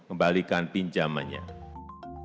dan mencari penipuan yang tertipu dan mencari penipuan yang tertipu